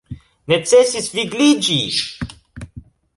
Necesis vigliĝi!